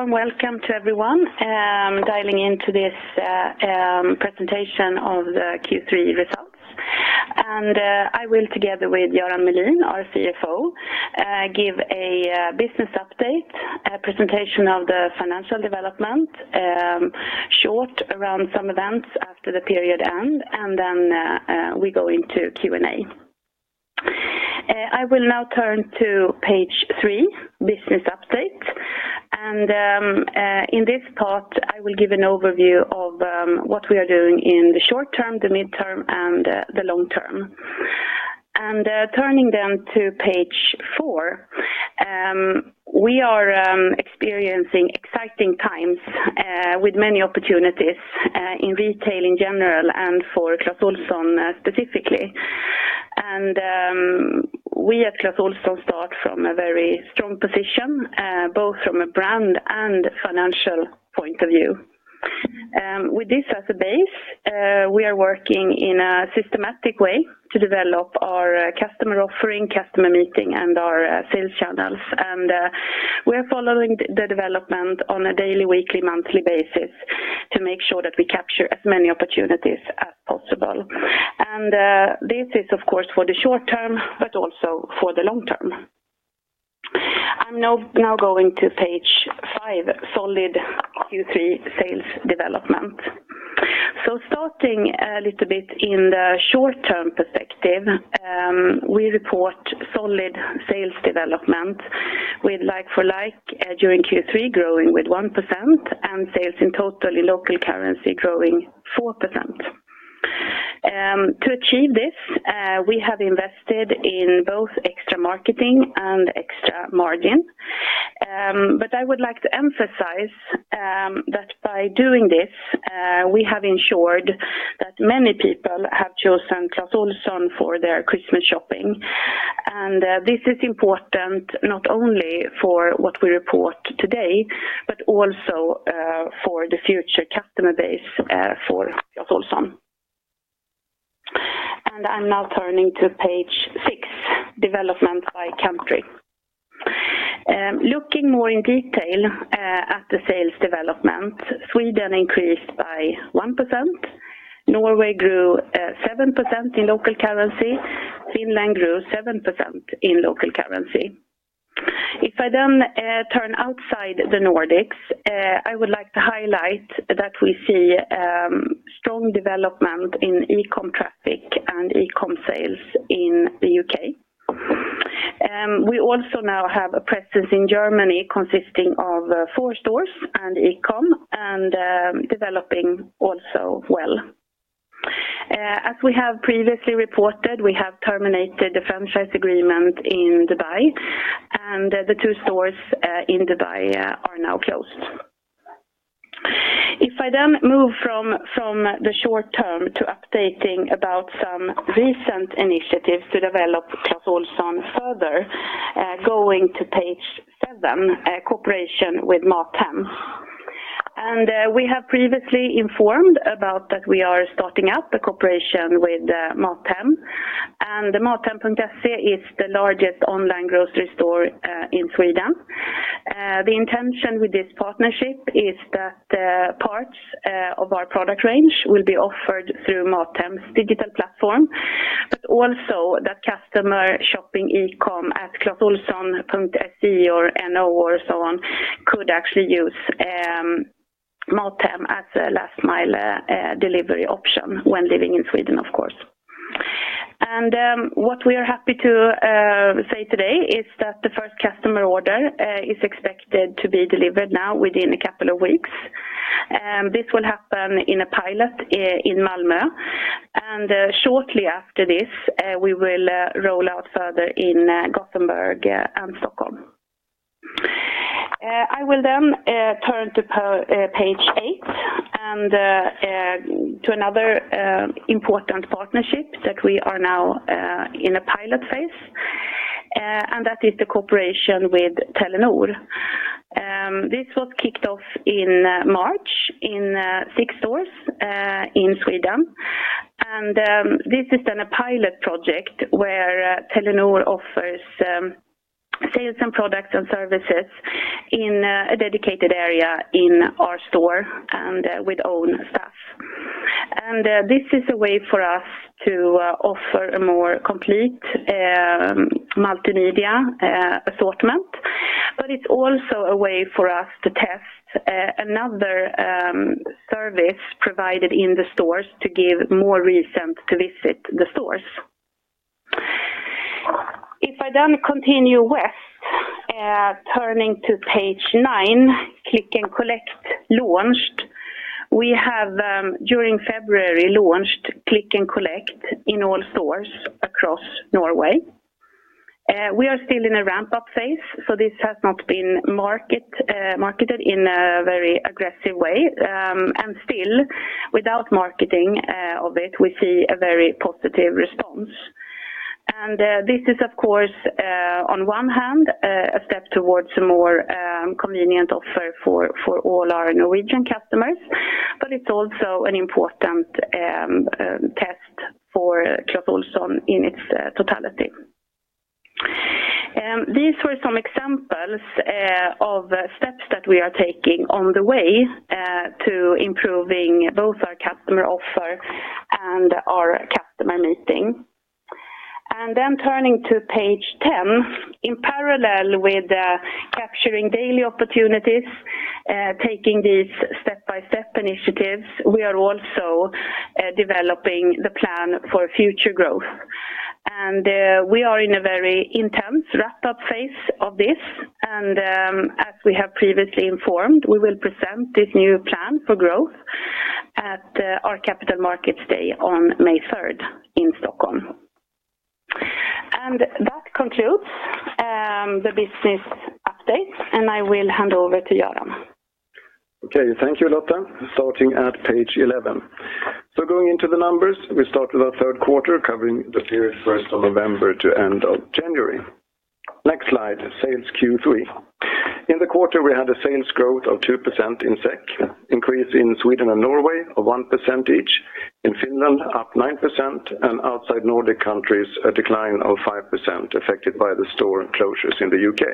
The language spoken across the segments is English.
Warm welcome to everyone, dialing into this presentation of the Q3 results. I will together with Göran Melin, our CFO, give a business update, a presentation of the financial development, short around some events after the period end, then we go into Q&A. I will now turn to page 3, business update. In this part, I will give an overview of what we are doing in the short term, the midterm, and the long term. Turning then to page 4, we are experiencing exciting times with many opportunities in retail in general and for Clas Ohlson specifically. We at Clas Ohlson start from a very strong position, both from a brand and financial point of view. With this as a base, we are working in a systematic way to develop our customer offering, customer meeting, and our sales channels. We are following the development on a daily, weekly, monthly basis to make sure that we capture as many opportunities as possible. This is of course for the short term, but also for the long term. I'm now going to page 5, solid Q3 sales development. Starting a little bit in the short-term perspective, we report solid sales development with like-for-like during Q3 growing with 1% and sales in total in local currency growing 4%. To achieve this, we have invested in both extra marketing and extra margin. I would like to emphasize that by doing this, we have ensured that many people have chosen Clas Ohlson for their Christmas shopping. This is important not only for what we report today, but also for the future customer base for Clas Ohlson. I'm now turning to page 6, development by country. Looking more in detail at the sales development, Sweden increased by 1%. Norway grew 7% in local currency. Finland grew 7% in local currency. If I then turn outside the Nordics, I would like to highlight that we see strong development in e-com traffic and e-com sales in the U.K.. We also now have a presence in Germany consisting of 4 stores and e-com, and developing also well. As we have previously reported, we have terminated the franchise agreement in Dubai, and the two stores in Dubai are now closed. If I then move from the short term to updating about some recent initiatives to develop Clas Ohlson further, going to page seven, a cooperation with MatHem. We have previously informed about that we are starting up a cooperation with MatHem. The MatHem from Jesse is the largest online grocery store in Sweden. The intention with this partnership is that parts of our product range will be offered through MatHem's digital platform, but also that customer shopping e-com at Clas Ohlson from the SE or NO or so on could actually use MatHem as a last mile delivery option when living in Sweden, of course. What we are happy to say today is that the first customer order is expected to be delivered now within a couple of weeks. This will happen in a pilot in Malmö. Shortly after this, we will roll out further in Gothenburg and Stockholm. I will then turn to page 8 and to another important partnership that we are now in a pilot phase, and that is the cooperation with Telenor. This was kicked off in March in six stores in Sweden. This is then a pilot project where Telenor offers sales and products and services in a dedicated area in our store and with own staff. This is a way for us to offer a more complete multimedia assortment. It's also a way for us to test another service provided in the stores to give more reason to visit the stores. If I continue west, turning to page 9, Click & Collect launched, we have during February, launched Click & Collect in all stores across Norway. We are still in a ramp-up phase, so this has not been marketed in a very aggressive way. Still, without marketing of it, we see a very positive response. This is of course, on one hand, a step towards a more convenient offer for all our Norwegian customers. It's also an important test for Clas Ohlson in its totality. These were some examples of steps that we are taking on the way to improving both our customer offer and our customer meeting. Then turning to page 10, in parallel with capturing daily opportunities, taking these step-by-step initiatives, we are also developing the plan for future growth. We are in a very intense wrap-up phase of this. As we have previously informed, we will present this new plan for growth at our Capital Markets Day on May 3rd in Stockholm. That concludes the business update, and I will hand over to Göran. Okay. Thank you, Lotta. Starting at page 11. Going into the numbers, we start with our 3rd quarter covering the period 1st of November to end of January. Next slide, sales Q3. In the quarter, we had a sales growth of 2% in SEK, increase in Sweden and Norway of 1% each, in Finland up 9%, and outside Nordic countries, a decline of 5% affected by the store closures in the U.K.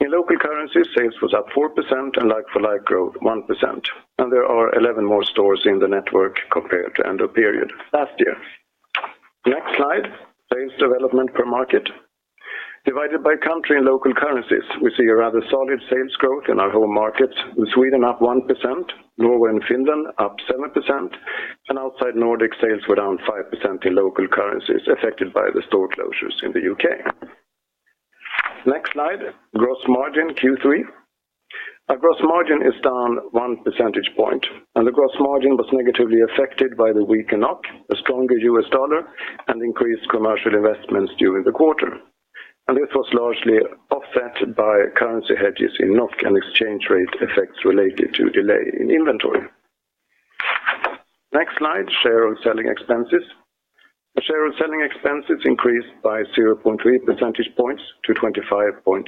In local currencies, sales was up 4% and like-for-like growth 1%, and there are 11 more stores in the network compared to end of period last year. Next slide, sales development per market. Divided by country and local currencies, we see a rather solid sales growth in our home markets, with Sweden up 1%, Norway and Finland up 7%. Outside Nordic sales were down 5% in local currencies affected by the store closures in the U.K. Next slide, gross margin Q3. Our gross margin is down 1 percentage point. The gross margin was negatively affected by the weaker NOK, the stronger U.S. dollar, and increased commercial investments during the quarter. This was largely offset by currency hedges in NOK and exchange rate effects related to delay in inventory. Next slide, share of selling expenses. The share of selling expenses increased by 0.3 percentage points to 25.7%.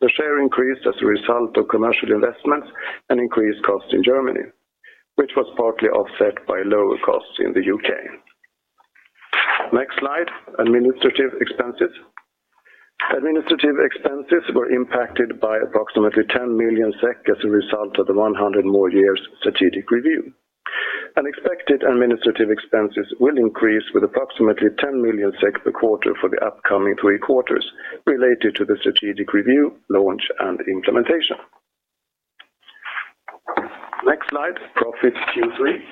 The share increased as a result of commercial investments and increased costs in Germany, which was partly offset by lower costs in the U.K. Next slide, administrative expenses. Administrative expenses were impacted by approximately 10 million SEK as a result of the 100 more years strategic review. Expected administrative expenses will increase with approximately 10 million SEK per quarter for the upcoming three quarters related to the strategic review, launch, and implementation. Next slide, profits Q3.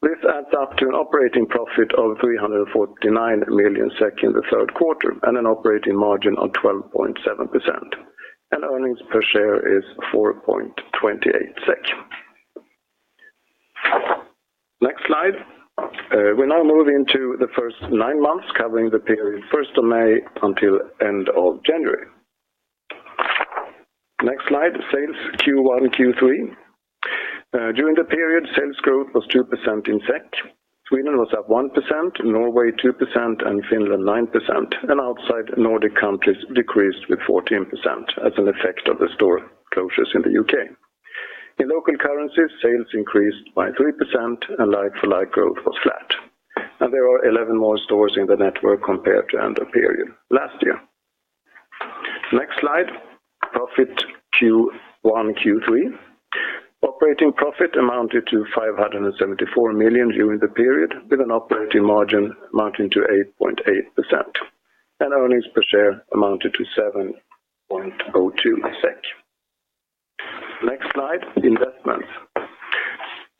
This adds up to an operating profit of 349 million SEK in the third quarter and an operating margin of 12.7%. Earnings per share is 4.28 SEK. Next slide. We now move into the first nine months covering the period first of May until end of January. Next slide, sales Q1, Q3. During the period, sales growth was 2% in SEK. Sweden was up 1%, Norway 2%, Finland 9%, and outside Nordic countries decreased with 14% as an effect of the store closures in the U.K.. In local currencies, sales increased by 3% and like-for-like growth was flat. There are 11 more stores in the network compared to end of period last year. Next slide, profit Q1, Q3. Operating profit amounted to 574 million during the period with an operating margin amounting to 8.8%. Earnings per share amounted to 7.02 SEK. Next slide, investments.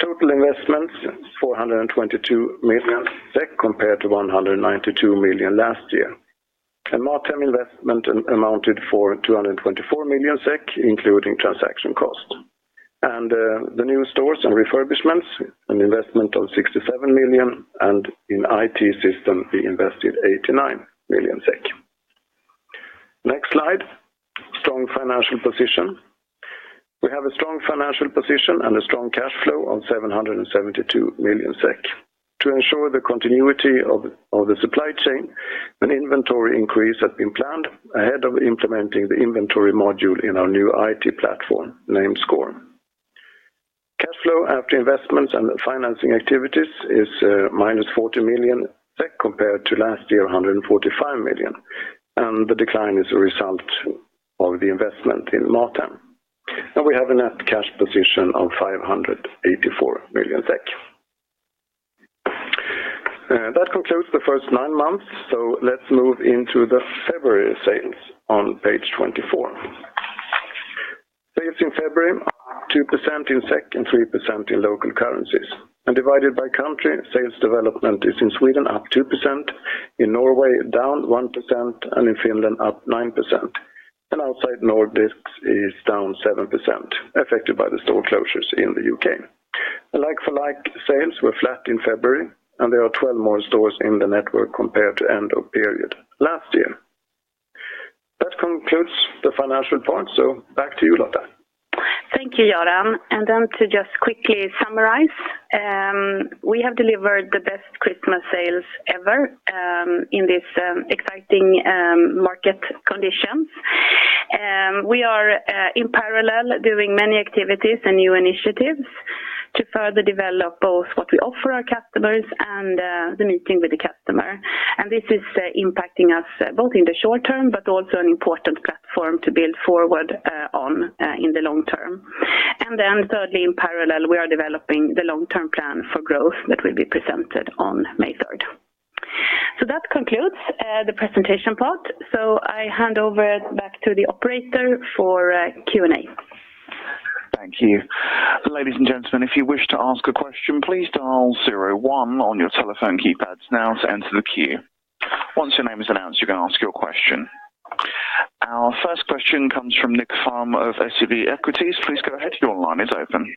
Total investments, 422 million SEK compared to 192 million last year. MatHem investment amounted for 224 million SEK, including transaction costs. The new stores and refurbishments, an investment of 67 million, and in IT system, we invested 89 million SEK. Next slide, strong financial position. We have a strong financial position and a strong cash flow of 772 million SEK. To ensure the continuity of the supply chain, an inventory increase has been planned ahead of implementing the inventory module in our new IT platform named sCORE. Cash flow after investments and financing activities is minus 40 million compared to last year, 145 million, and the decline is a result of the investment in MatHem. We have a net cash position of 584 million SEK. That concludes the first nine months. Let's move into the February sales on page 24. Sales in February are up 2% in SEK and 3% in local currencies. Divided by country, sales development is in Sweden up 2%, in Norway down 1%, and in Finland up 9%, and outside Nordics is down 7%, affected by the store closures in the U.K. like-for-like sales were flat in February, and there are 12 more stores in the network compared to end of period last year. That concludes the financial report, so back to you, Lotta. Thank you, Göran. To just quickly summarize, we have delivered the best Christmas sales ever in this exciting market conditions. We are in parallel doing many activities and new initiatives to further develop both what we offer our customers and the meeting with the customer. This is impacting us both in the short term, but also an important platform to build forward on in the long term. Thirdly, in parallel, we are developing the long-term plan for growth that will be presented on May third. That concludes the presentation part. I hand over it back to the operator for Q&A. Thank you. Ladies and gentlemen, if you wish to ask a question, please dial zero one on your telephone keypads now to enter the queue. Once your name is announced, you can ask your question. Our first question comes from Niklas Fhärm of SEB Equities. Please go ahead. Your line is open.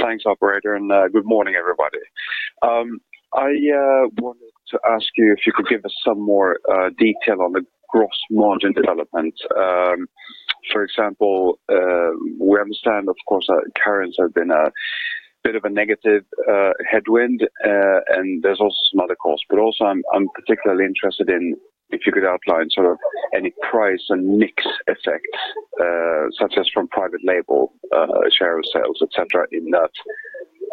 Thanks, operator, and good morning, everybody. I wanted to ask you if you could give us some more detail on the gross margin development. For example, we understand, of course, that currents have been a bit of a negative headwind, and there's also some other costs. Also, I'm particularly interested in if you could outline sort of any price and mix effects, such as from private label, share of sales, et cetera, in that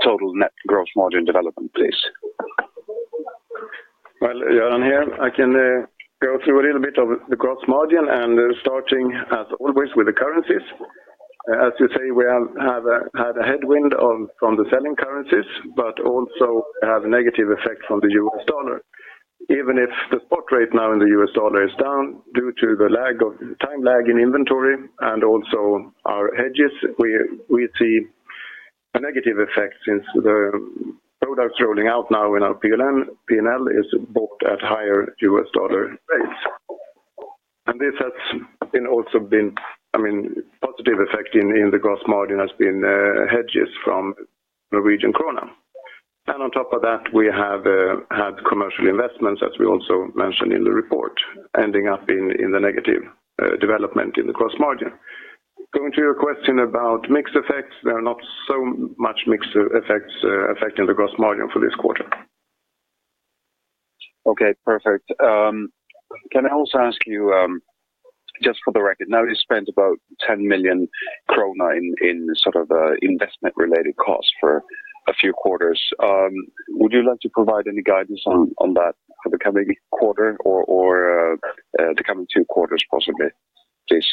total net gross margin development, please. Well, yeah. Here I can go through a little bit of the gross margin, and starting as always with the currencies. As you say, we had a headwind of from the selling currencies, but also have a negative effect from the U.S. dollar. Even if the spot rate now in the U.S. dollar is down due to the time lag in inventory and also our hedges, we see a negative effect since the products rolling out now in our P&L is bought at higher U.S. dollar rates. This has also been, I mean, positive effect in the gross margin has been hedges from Norwegian krona. On top of that, we have had commercial investments as we also mentioned in the report, ending up in the negative development in the gross margin. Going to your question about mix effects, there are not so much mix effects, affecting the gross margin for this quarter. Okay, perfect. Can I also ask you, just for the record, now you spent about 10 million krona in sort of investment related costs for a few quarters? Would you like to provide any guidance on that for the coming quarter or the coming two quarters possibly, please?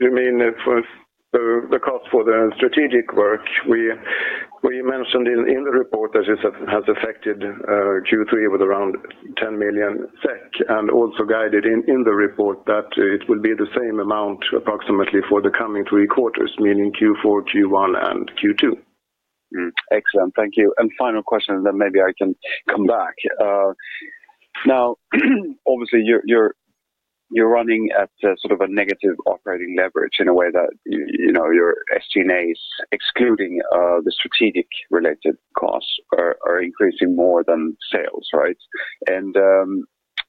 You mean if was the cost for the strategic work we mentioned in the report that it has affected Q3 with around 10 million SEK, and also guided in the report that it will be the same amount approximately for the coming three quarters, meaning Q4, Q1, and Q2. Excellent. Thank you. Final question, then maybe I can come back. Now obviously you're, you're running at a sort of a negative operating leverage in a way that you know, your SG&As excluding the strategic related costs are increasing more than sales, right?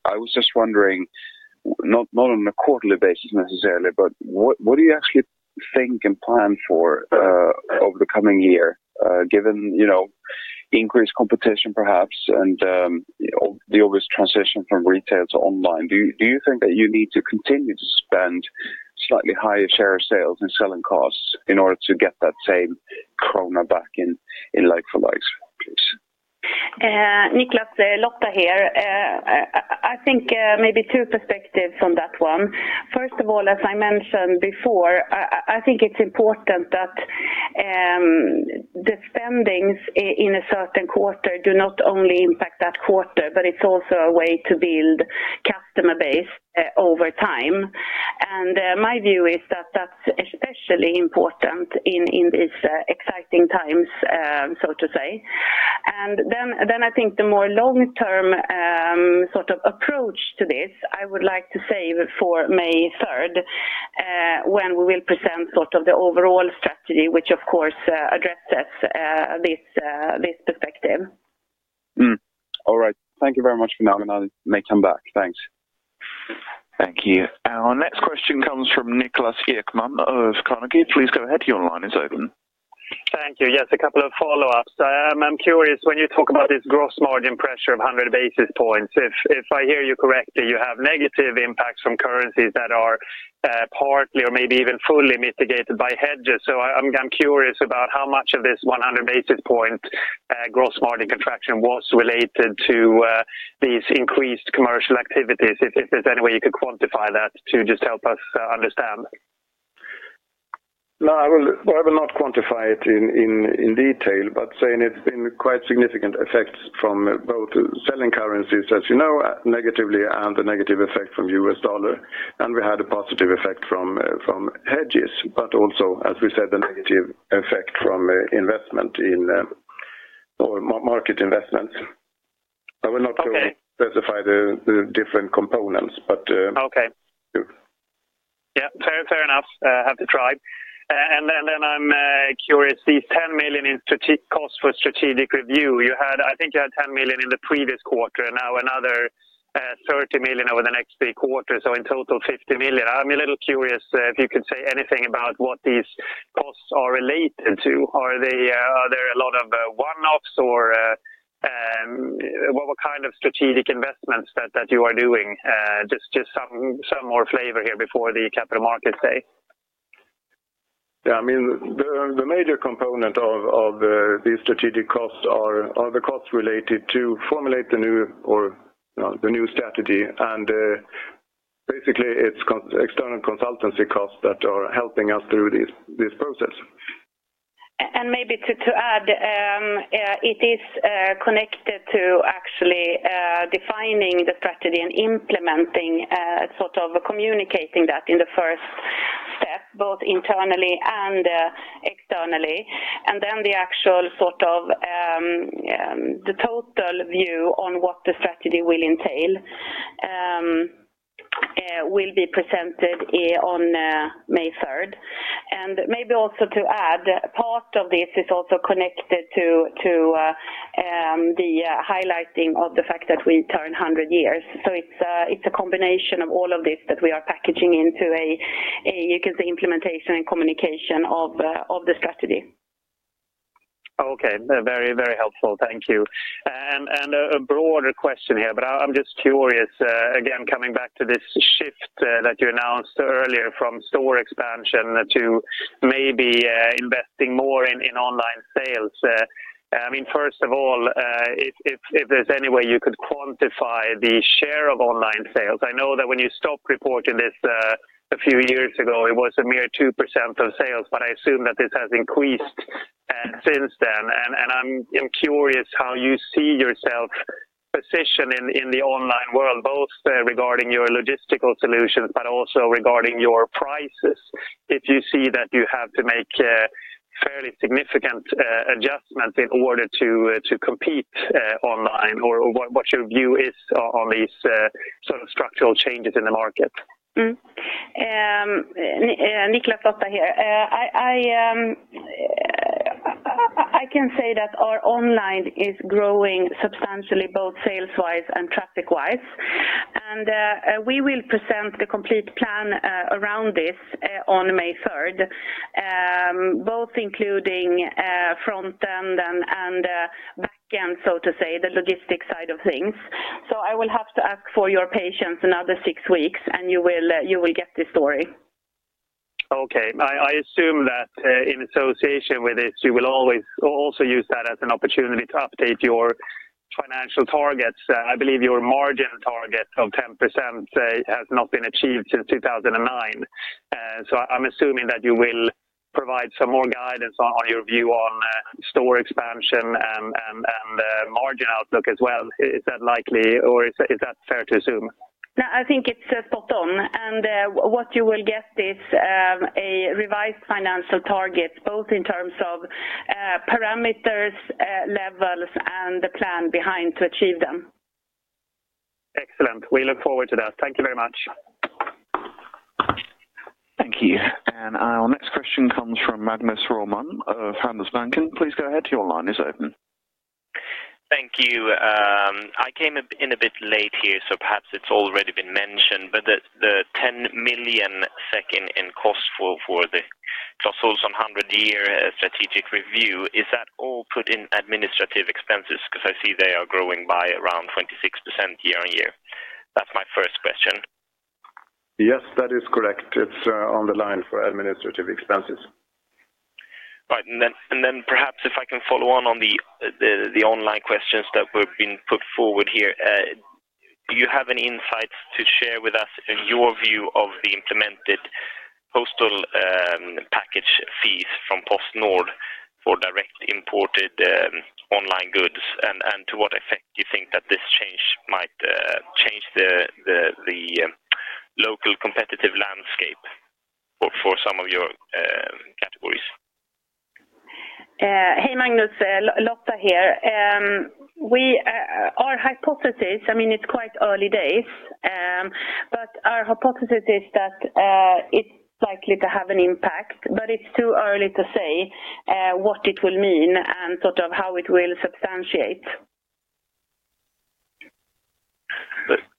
I was just wondering, not on a quarterly basis necessarily, but what do you actually think and plan for over the coming year, given, you know, increased competition perhaps and the obvious transition from retail to online? Do you think that you need to continue to spend slightly higher share of sales and selling costs in order to get that same krona back in like-for-like, please? Nicholas, Lotta here. I think maybe two perspectives on that one. First of all, as I mentioned before, I think it's important that the spendings in a certain quarter do not only impact that quarter, but it's also a way to build customer base over time. My view is that that's especially important in these exciting times, so to say. Then I think the more long-term sort of approach to this, I would like to save it for May third, when we will present sort of the overall strategy, which of course addresses this perspective. All right. Thank you very much for now, and I may come back. Thanks. Thank you. Our next question comes from Niklas Eriksson of Carnegie. Please go ahead. Your line is open. Thank you. Yes, a couple of follow-ups. I'm curious when you talk about this gross margin pressure of 100 basis points. If I hear you correctly, you have negative impacts from currencies that are partly or maybe even fully mitigated by hedges. I'm curious about how much of this 100 basis point gross margin contraction was related to these increased commercial activities. If there's any way you could quantify that to just help us understand. No, I will, well, I will not quantify it in detail, but saying it's been quite significant effects from both selling currencies, as you know, negatively and the negative effect from U.S. dollar, and we had a positive effect from hedges, but also, as we said, the negative effect from investment in market investments. Okay. specify the different components, but. Okay. Yeah. Yeah. Fair, fair enough. Had to try. I'm curious, these 10 million in costs for strategic review. I think you had 10 million in the previous quarter and now another 30 million over the next 3 quarters. So in total, 50 million. I'm a little curious, if you could say anything about what these costs are related to. Are they, are there a lot of one-offs or what kind of strategic investments that you are doing? Just some more flavor here before the Capital Markets Day. Yeah. I mean, the major component of the strategic costs are the costs related to formulate the new or, you know, the new strategy. Basically it's external consultancy costs that are helping us through this process. Maybe to add, it is connected to actually defining the strategy and implementing sort of communicating that in the first step, both internally and externally. Then the actual sort of the total view on what the strategy will entail, will be presented on May 3rd. Maybe also to add, part of this is also connected to the highlighting of the fact that we turn 100 years. It's a combination of all of this that we are packaging into a, you can say, implementation and communication of the strategy. Okay. Very, very helpful. Thank you. A broader question here, but I'm just curious, again, coming back to this shift, that you announced earlier from store expansion to maybe, investing more in online sales. I mean, first of all, if, if there's any way you could quantify the share of online sales. I know that when you stopped reporting this, a few years ago, it was a mere 2% of sales, but I assume that this has increased, since then. I'm curious how you see yourself positioned in the online world, both, regarding your logistical solutions but also regarding your prices. If you see that you have to make, fairly significant, adjustments in order to compete, online, or what your view is on these, sort of structural changes in the market. Niklas, Lotta here. I can say that our online is growing substantially, both sales wise and traffic wise. We will present the complete plan around this on May third, both including front end and back end, so to say, the logistics side of things. I will have to ask for your patience another six weeks, and you will get the story. Okay. I assume that in association with this, you will always also use that as an opportunity to update your financial targets. I believe your margin target of 10% has not been achieved since 2009. I'm assuming that you will provide some more guidance on your view on store expansion and margin outlook as well. Is that likely or is that fair to assume? No, I think it's spot on. What you will get is a revised financial target, both in terms of parameters, levels, and the plan behind to achieve them. Excellent. We look forward to that. Thank you very much. Thank you. Our next question comes from Magnus Roman of Handelsbanken. Please go ahead. Your line is open. Thank you. I came in a bit late here, so perhaps it's already been mentioned, the 10 million second in cost for the 100 more years strategic review, is that all put in administrative expenses? I see they are growing by around 26% year-over-year. That's my first question. Yes, that is correct. It's on the line for administrative expenses. Right. Then perhaps if I can follow on the online questions that were being put forward here. Do you have any insights to share with us in your view of the implemented postal package fees from PostNord for direct imported online goods? To what effect you think that this change might change the local competitive landscape for some of your categories? Hey, Magnus. Lotta here. Our hypothesis, I mean, it's quite early days, but our hypothesis is that it's likely to have an impact, but it's too early to say what it will mean and sort of how it will substantiate.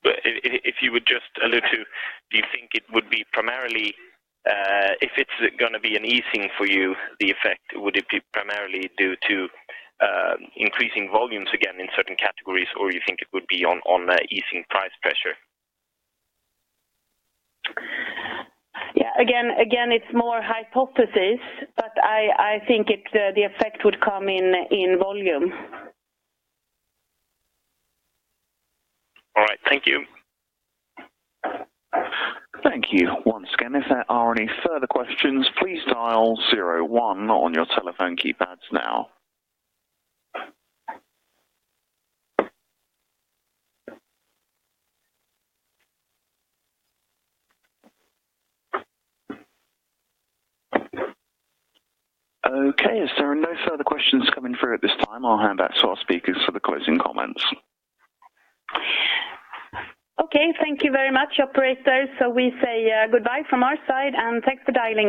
If you would just allude to, do you think it would be primarily, if it's gonna be an easing for you, the effect, would it be primarily due to, increasing volumes again in certain categories, or you think it would be on easing price pressure? Yeah, again, it's more hypothesis, but I think it, the effect would come in volume. All right. Thank you. Thank you. Once again, if there are any further questions, please dial zero one on your telephone keypads now. As there are no further questions coming through at this time, I'll hand back to our speakers for the closing comments. Okay. Thank you very much, operators. We say goodbye from our side, and thanks for dialing in.